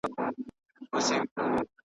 پرېږده جهاني د ځوانیمرګو د محفل کیسه .